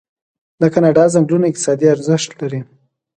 د کاناډا ځنګلونه اقتصادي ارزښت لري.